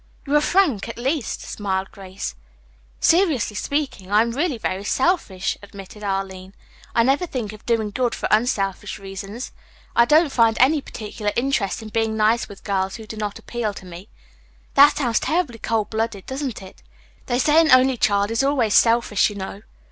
"You are frank, at least," smiled Grace. "Seriously speaking, I am really very selfish," admitted Arline. "I never think of doing good for unselfish reasons. I don't find any particular interest in being nice with girls who do not appeal to me. That sounds terribly cold blooded, doesn't it? They say an only child is always selfish, you know.